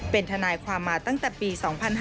เป็นทนายความมาตั้งแต่ปี๒๕๕๙